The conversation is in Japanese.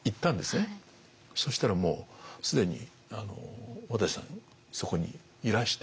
そしたらもう既に渡さんそこにいらして。